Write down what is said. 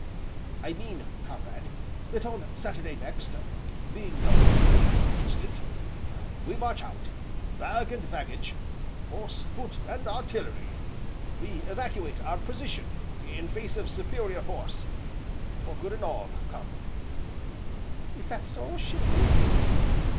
"I mean, comrade that on Saturday next, being the twenty fifth instant, we march out bag and baggage horse, foot, and artillery, we evacuate our position in face of superior force, for good and all, comrade." "Is that so, shipmate?"